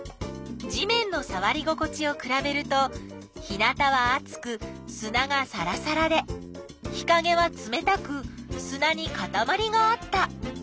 地面のさわり心地をくらべると日なたはあつくすながさらさらで日かげはつめたくすなにかたまりがあった。